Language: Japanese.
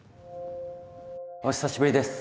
お久しぶりです。